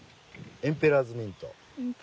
エンペラーズミント。